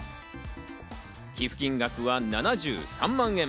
寄付金額は７３万円。